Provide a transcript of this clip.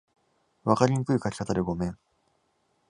分かりにくい書き方でごめん